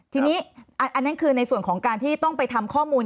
ทีนี้อันนั้นคือในส่วนของการที่ต้องไปทำข้อมูล